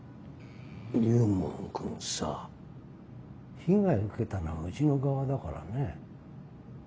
龍門くんさ被害受けたのはうちの側だからね。